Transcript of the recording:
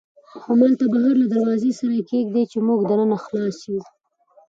همالته بهر له دروازې سره یې کېږدئ، چې موږ دننه خلاص یو.